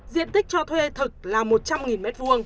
diện tích cho thuê thực là một trăm linh m hai